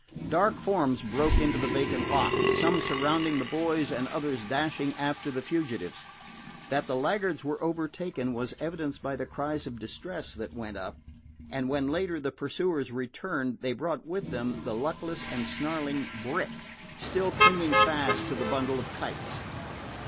Dark forms broke into the vacant lot, some surrounding the boys and others dashing after the fugitives. That the laggards were overtaken was evidenced by the cries of distress that went up, and when later the pursuers returned, they brought with them the luckless and snarling Brick, still clinging fast to the bundle of kites.